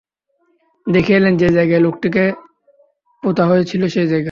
দেখে এলেন, যে জায়গায় লোকটিকে পোঁতা হয়েছিল সেই জায়গা।